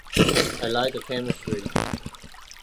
I like the chemistry.